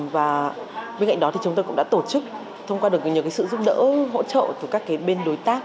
và bên cạnh đó thì chúng tôi cũng đã tổ chức thông qua được nhiều sự giúp đỡ hỗ trợ từ các bên đối tác